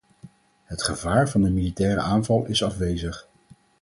Het gevaar van een militaire aanval is afwezig.